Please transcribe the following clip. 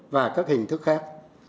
và các hình thức khác